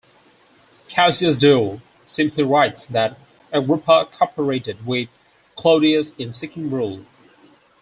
Cassius Dio simply writes that Agrippa cooperated with Claudius in seeking rule.